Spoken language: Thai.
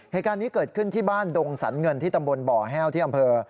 เหตุการณ์นี้เกิดขึ้นที่บ้านดงสรรเงินที่ตำบลบ่อแห้วที่อำเภอ